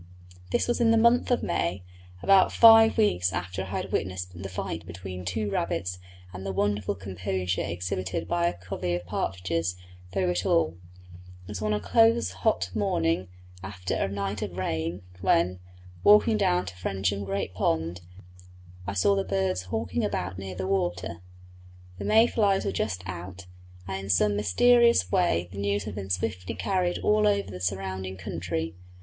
This was in the month of May, about five weeks after I had witnessed the fight between two rabbits, and the wonderful composure exhibited by a covey of partridges through it all. It was on a close hot morning, after a night of rain, when, walking down to Frensham Great Pond, I saw the birds hawking about near the water. The may flies were just out, and in some mysterious way the news had been swiftly carried all over the surrounding country.